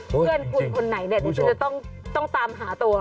เพื่อนคุณคนไหนคุณก็จะต้องตามหาตัว